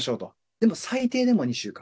でも最低でも２週間。